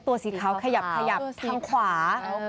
ตัวสีขาวขยับทางขวา